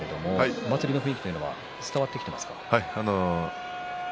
お祭りの雰囲気というのは伝わってきますか？